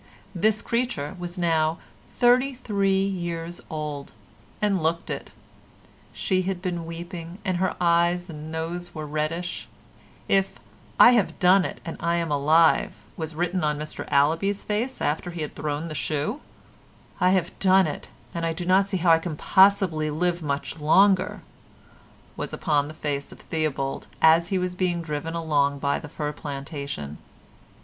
This creature was now thirty three years old, and looked it: she had been weeping, and her eyes and nose were reddish; if "I have done it and I am alive," was written on Mr Allaby's face after he had thrown the shoe, "I have done it, and I do not see how I can possibly live much longer" was upon the face of Theobald as he was being driven along by the fir Plantation.